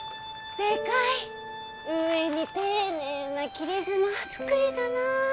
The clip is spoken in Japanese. でかいうえに丁寧な切妻造りだな。